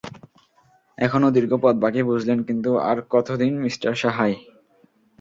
এখনও দীর্ঘ পথ বাকি, বুঝলেন কিন্তু আর কতদিন মিস্টার সাহায়?